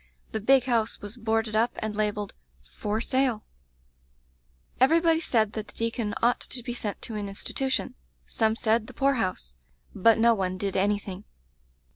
The big house was boarded up and labelled 'For Sale/ "Everybody said that the deacon ought to be sent to an institution; some said the poor house; but no one did anything.